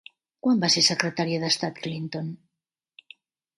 Quan va ser secretària d'Estat Clinton?